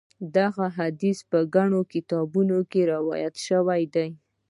دغه حدیث چې په ګڼو کتابونو کې روایت شوی دی.